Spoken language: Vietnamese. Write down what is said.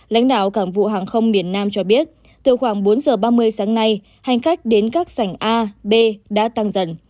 lãnh đạo cảng vụ hàng không miền nam cho biết từ khoảng bốn giờ ba mươi sáng nay hành khách đến các sảnh a b đã tăng dần